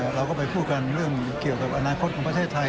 เราก็ไปพูดกันเรื่องเกี่ยวกับอนาคตของประเทศไทย